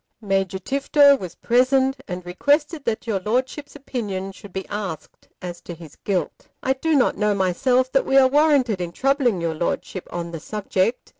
Major Tifto was present, and requested that your Lordship's opinion should be asked as to his guilt. I do not know myself that we are warranted in troubling your Lordship on the subject.